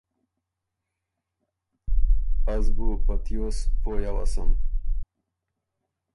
”از بُو په تیوس پویٛ اوسم